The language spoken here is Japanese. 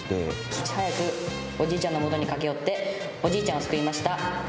いち早くおじいちゃんのもとに駆け寄っておじいちゃんを救いました